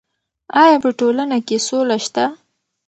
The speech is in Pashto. ایا په ټولنه کې سوله شته؟